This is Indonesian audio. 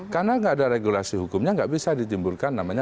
karena tidak ada regulasi hukumnya tidak bisa ditimbulkan namanya